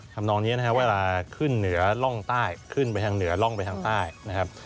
ทำนองนี้นะครับเวลาขึ้นเหนือร่องใต้ขึ้นไปทางเหนือร่องไปทางใต้นะครับ